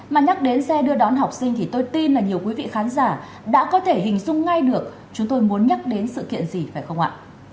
mà nhắc đến xe đưa đón học sinh thì tôi tin là nhiều quý vị khán giả đã có thể hình dung ngay được chúng tôi muốn nhắc đến sự kiện gì phải không ạ